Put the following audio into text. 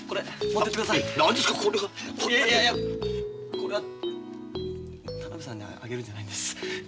これは田辺さんにあげるんじゃないんです。